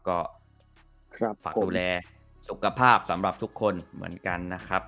ก็ฝากดูแลสุขภาพสำหรับทุกคนเหมือนกันนะครับ